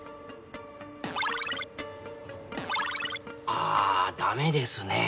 ああ駄目ですね。